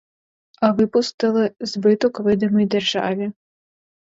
А випустили: збиток видимий державі.